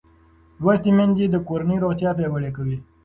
لوستې میندې د کورنۍ روغتیا پیاوړې کوي